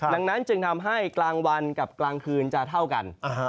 ดังนั้นจึงทำให้กลางวันกับกลางคืนจะเท่ากัน